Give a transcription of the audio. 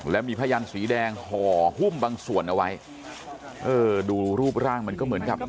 แล้วมีพยันสีแดงห่อหุ้มบางส่วนเอาไว้เออดูรูปร่างมันก็เหมือนกับ